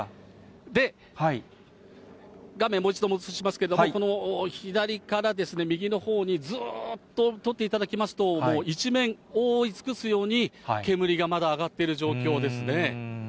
画面、もう一度戻しますけれども、この左から右のほうにずーっと撮っていただきますと、もう一面、覆い尽くすように煙がまだ上がっている状況ですね。